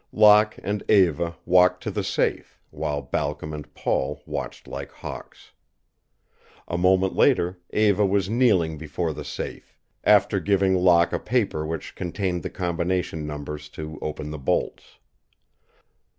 Locke and Eva walked to the safe, while Balcom and Paul watched like hawks. A moment later Eva was kneeling before the safe, after giving Locke a paper which contained the combination numbers to open the bolts.